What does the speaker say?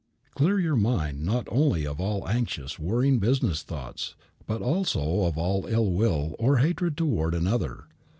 Clear your mind not only of all anxious, worrying business thoughts, but also of all ill will or hatred toward another.